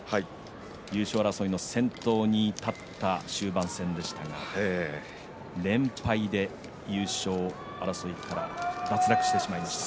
優勝争いの先頭に立った終盤戦でしたが連敗で優勝争いから脱落してしまいました。